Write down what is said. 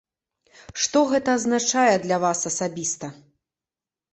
Што гэта азначае для вас асабіста?